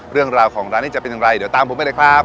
เรื่องราวของร้านนี้จะเป็นอย่างไรเดี๋ยวตามผมไปเลยครับ